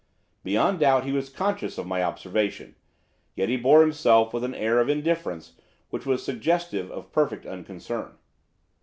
Beyond doubt he was conscious of my observation, yet he bore himself with an air of indifference, which was suggestive of perfect unconcern.